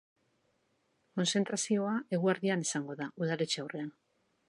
Kontzentrazioa eguerdian izango da, udaletxe aurrean.